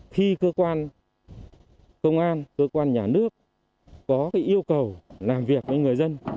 khi cơ quan công an cơ quan nhà nước có yêu cầu làm việc với người dân